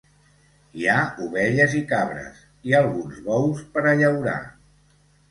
Hi ha ovelles i cabres, i alguns bous per a llaurar.